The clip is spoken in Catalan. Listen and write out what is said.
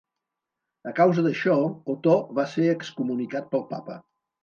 A causa d'això, Otó va ser excomunicat pel Papa.